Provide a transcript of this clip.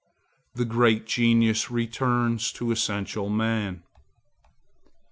The great genius returns to essential man.